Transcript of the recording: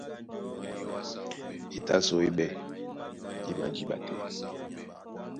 E tá sɔ́ é ɓɛ́ e májǐɓa tɛ́.